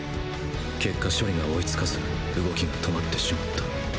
結果処理が追いつかず動きが止まってしまった。